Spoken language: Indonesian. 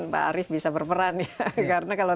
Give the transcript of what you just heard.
pak arief bisa berperan ya karena kalau